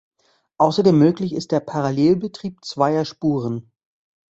Außerdem möglich ist der Parallelbetrieb zweier Spuren.